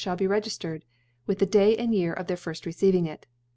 (hall be regiftered, with the Day and * Year of their firll receiving it.